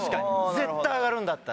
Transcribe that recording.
絶対上がるんだったら。